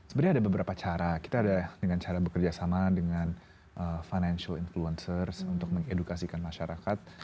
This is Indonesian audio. sebenarnya ada beberapa cara kita ada dengan cara bekerja sama dengan financial influencers untuk mengedukasikan masyarakat